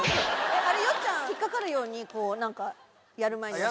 あれよっちゃん引っかかるようにこうなんかやる前に？